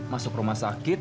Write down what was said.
masuk rumah sakit